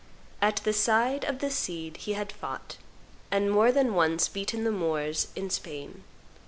At the side of the Cid he had fought, and more than once beaten the Moors in Spain.